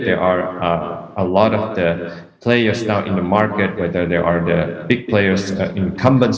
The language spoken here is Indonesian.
banyak pemain di pasar sekarang apakah mereka adalah pemain besar pemain yang berasal dari mana